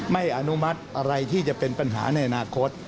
อนุมัติอะไรที่จะเป็นปัญหาในอนาคต